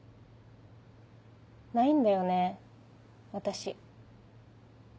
ないんだよね私。